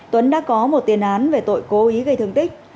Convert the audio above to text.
tuấn đã có một tiền án về tội cố ý gây thương tích